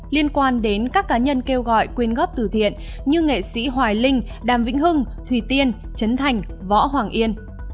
liên quan đến các cá nhân kêu gọi quyên góp từ thiện như nghệ sĩ hoài linh đàm vĩnh hưng thùy tiên chấn thành võ hoàng yên